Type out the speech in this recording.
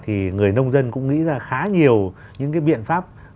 thì người nông dân cũng nghĩ ra khá nhiều những cái biện pháp